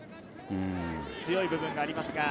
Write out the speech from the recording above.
強い部分があります。